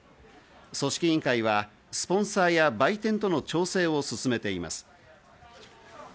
組織委員会はスポンサーや売店との調整を進めています。